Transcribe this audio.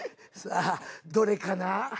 さあどれかな？